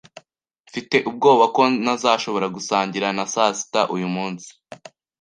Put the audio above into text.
Mfite ubwoba ko ntazashobora gusangira na sasita uyu munsi